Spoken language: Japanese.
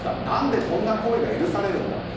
何でこんな行為が許されるんだ。